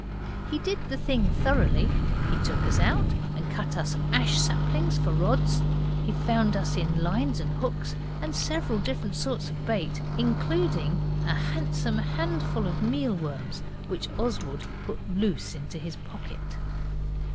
He did the thing thoroughly. He took us out and cut us ash saplings for rods; he found us in lines and hooks, and several different sorts of bait, including a handsome handful of meal worms, which Oswald put loose in his pocket.